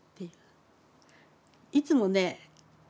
いつもね